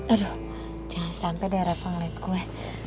aduh jangan sampai reva ngeliat gue